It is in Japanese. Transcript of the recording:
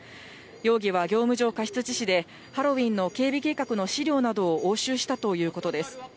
容疑は業務上過失致死で、ハロウィーンの警備計画の資料などを押収したということです。